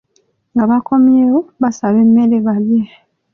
Nga bakomyewo, basaba emmere balye.